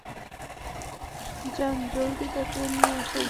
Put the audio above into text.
যান, জলদি তাকে নিয়ে আসেন।